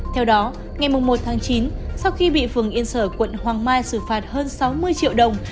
theo đó ngày một tháng chín sau khi bị phường yên sở quận hoàng mai xử phạt hơn sáu mươi triệu đồng